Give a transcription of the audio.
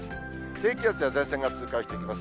低気圧や前線が通過していきます。